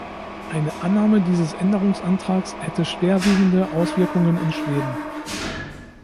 Eine Annahme dieses Änderungsantrags hätte schwer wiegende Auswirkungen in Schweden.